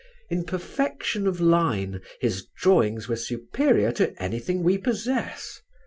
In perfection of line his drawings were superior to anything we possess.